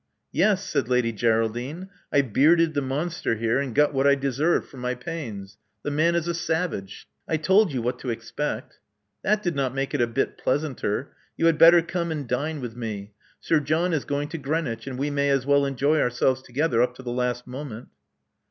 Yes," said Lady Geraldine. I bearded the monster here, and got what I deserved for my pains. The man is a savage." I told you what to expect." That did not make it a bit pleasanter. You had better come and dine with me. Sir John is going to Greenwich; and we may as well enjoy ourselves together up to the last moment."